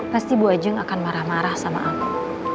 pasti bu ajeng akan marah marah sama aku